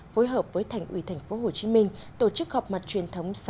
phối hợp với thành ủy thành phố hồ chí minh tổ chức họp mặt truyền thống